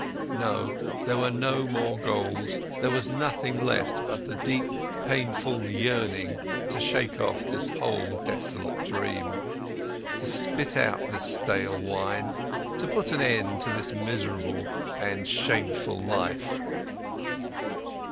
No, there were no more goals, there was nothing left but the deep, painful yearning to shake off this whole desolate dream, to spit out this stale wine, to put an end to this miserable and shameful life.